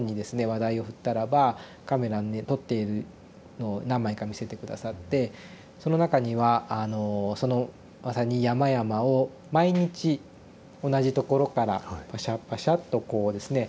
話題を振ったらばカメラで撮っているのを何枚か見せて下さってその中にはあのそのまさに山々を毎日同じところからパシャパシャッとこうですね